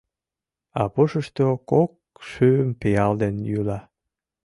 А пушышто кок шӱм пиал ден йӱла.